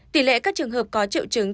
tỷ lệ các trường hợp có triệu chứng